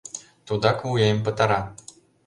Тудак вуем пытара!..